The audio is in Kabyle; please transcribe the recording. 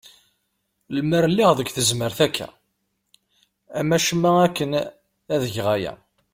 Lemer lliɣ deg tezmert akka am acemma akken ad egeɣ aya.